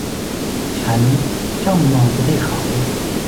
ฉันจ้องมองไปที่เขา